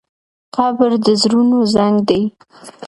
قبر د زړونو زنګ دی.